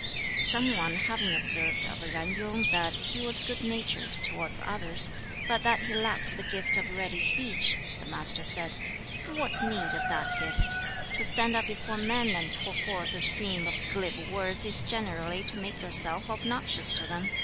Some one having observed of Yen Yung that he was good natured towards others, but that he lacked the gift of ready speech, the Master said, "What need of that gift? To stand up before men and pour forth a stream of glib words is generally to make yourself obnoxious to them.